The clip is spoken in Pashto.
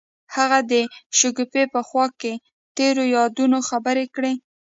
هغوی د شګوفه په خوا کې تیرو یادونو خبرې کړې.